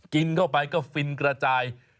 กินเข้าไปก็ฟินกระจาย